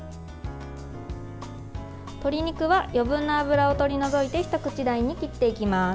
鶏肉は余分な脂を取り除いて一口大に切っていきます。